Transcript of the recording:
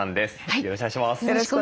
よろしくお願いします。